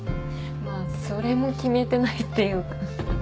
まあそれも決めてないっていうか。